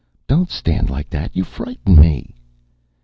"Don't stand like that! You frighten me!"